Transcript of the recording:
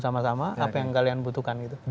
sama sama apa yang kalian butuhkan gitu